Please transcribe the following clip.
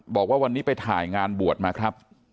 บอกว่าวันนี้ไปถ่ายงานบวชมาครับ